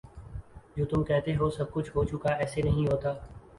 جو تم کہتے ہو سب کچھ ہو چکا ایسے نہیں ہوتا